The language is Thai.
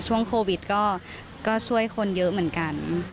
ช่วงโควิดก็ช่วยคนเยอะเหมือนกัน